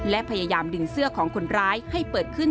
และพยายามดึงเสื้อของคนร้ายให้เปิดขึ้น